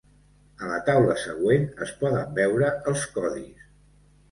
A la taula següent es poden veure els codis.